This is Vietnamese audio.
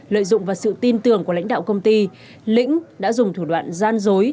lợi dụng vào sự tin tưởng của lãnh đạo công ty lĩnh đã dùng thủ đoạn gian dối